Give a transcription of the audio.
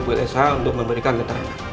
bu el salah untuk memberikan keterangan